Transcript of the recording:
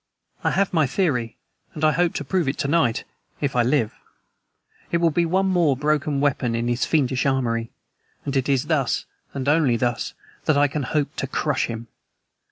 I have my theory and I hope to prove it to night, if I live. It will be one more broken weapon in his fiendish armory, and it is thus, and thus only, that I can hope to crush him.